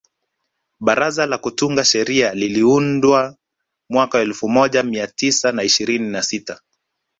Baraza la kutunga sheria liliundwa mwaka elfu moja mia tisa na ishirini na sita